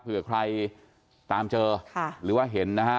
เผื่อใครตามเจอค่ะหรือว่าเห็นนะฮะ